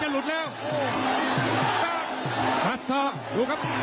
แวนมาตร